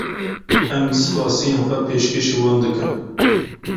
Em spasiyên xwe pêşkeşî wan dikin.